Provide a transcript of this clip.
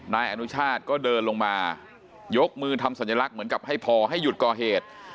นายอนุชาติก็เดินลงมายกมือทำสัญลักษณ์เหมือนกับให้พอให้หยุดก่อเหตุ